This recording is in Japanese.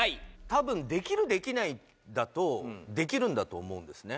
たぶん「できる」「できない」だとできるんだと思うんですね。